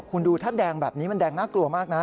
คุณดูถ้าแดงแบบนี้มันแดงน่ากลัวมากนะ